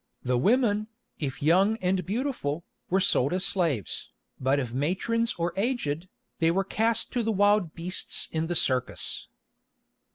The women, if young and beautiful, were sold as slaves, but if matrons or aged, they were cast to the wild beasts in the circus.